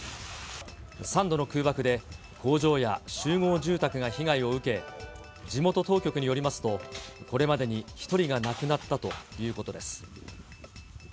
３度の空爆で、工場や集合住宅が被害を受け、地元当局によりますと、これまでに１人が亡くなったということです。